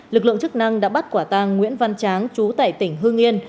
lực lượng chức năng đã bắt quả tang nguyễn văn tráng chú tại tỉnh hưng yên